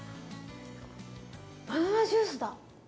バナナジュースだ！